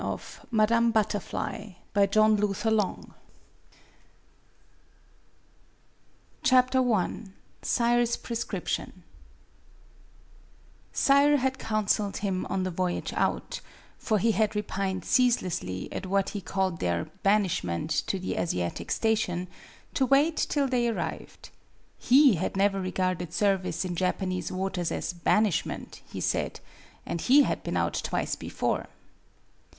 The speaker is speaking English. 207 MADAME BUTTERFLY MADAME BUTTERFLY SAYRE'S PRESCRIPTION JAYRE had counseled him on the voyage out (for he had re pined ceaselessly at what he called their banishment to the Asiatic station) to wait till they arrived. He had never regarded ser vice in Japanese waters as banishment, he said, and he had been out twice before.